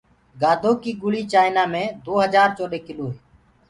گآڌو ڪيٚ گُݪيٚ چآئنآ مي دو هجآر چوڏي ڪلو هي